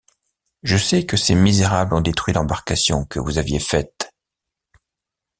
Je sais que ces misérables ont détruit l’embarcation que vous aviez faite...